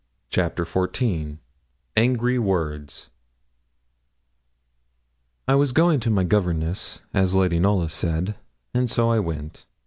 CHAPTER XIV ANGRY WORDS I was going to my governess, as Lady Knollys said; and so I went.